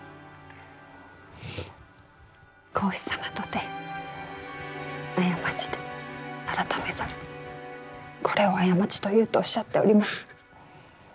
孔子様とて「過ちて改めざるこれを過ちという」とおっしゃっております。